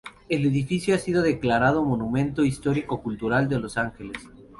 El edificio ha sido declarado Monumento Histórico-Cultural de Los Ángeles.